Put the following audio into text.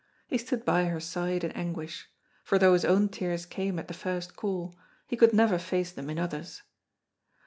He stood by her side in anguish; for though his own tears came at the first call, he could never face them in others.